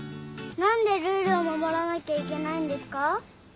何でルールを守らなきゃいけないんですか？